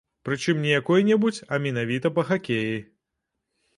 Прычым не якой-небудзь, а менавіта па хакеі.